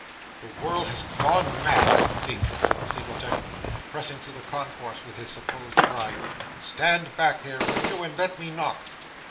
'The world has gone mad, I think,' said the single gentleman, pressing through the concourse with his supposed bride. 'Stand back here, will you, and let me knock.